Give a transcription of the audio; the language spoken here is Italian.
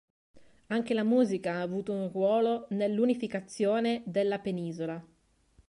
Anche la musica ha avuto un ruolo nell'unificazione della penisola.